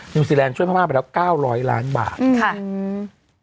นิวซีแลนด์ช่วยพม่าไปตั้งถึง๙๐๐ล้านบาท